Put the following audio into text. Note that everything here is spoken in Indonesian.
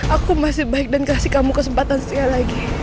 aku masih baik dan kasih kamu kesempatan saya lagi